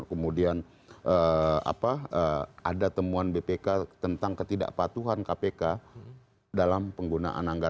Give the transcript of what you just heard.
kemudian ada temuan bpk tentang ketidakpatuhan kpk dalam penggunaan anggaran